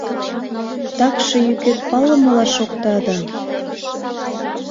Такше йӱкет палымыла шокта да...